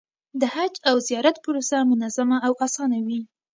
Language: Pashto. د حج او زیارت پروسه منظمه او اسانه وي.